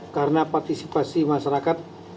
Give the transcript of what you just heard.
karena partisipasi masyarakat